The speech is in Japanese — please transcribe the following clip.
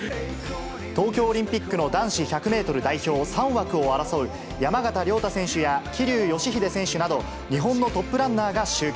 東京オリンピックの男子１００メートル代表３枠を争う山縣亮太選手や桐生祥秀選手など、日本のトップランナーが集結。